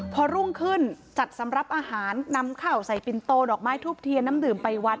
พอรุ่งขึ้นจัดสำหรับอาหารนำข้าวใส่ปินโตดอกไม้ทูบเทียนน้ำดื่มไปวัด